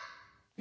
え？